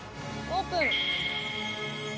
オープン。